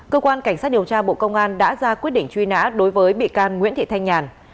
cơ quan cảnh sát điều tra bộ công an đã ra quyết định truy nã đối với bị can nguyễn thị thanh nhàn